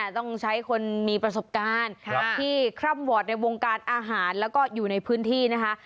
ต้องใช้คนมีประสบการณ์ที่คร่ำวอร์ดในวงการอาหารแล้วก็อยู่ในพื้นที่นะคะ